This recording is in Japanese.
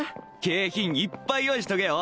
景品いっぱい用意しとけよ